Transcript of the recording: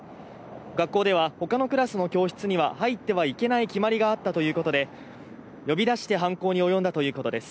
学校では他のクラスの教室には入ってはいけない決まりがあったということで呼び出して犯行に及んだということです。